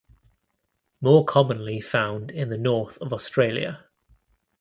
More commonly found in the north of Australia.